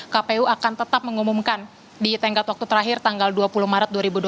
kpu akan tetap mengumumkan di tenggat waktu terakhir tanggal dua puluh maret dua ribu dua puluh